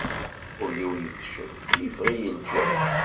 Ul-iw ifcel, iffeɣ-iyi lǧehd.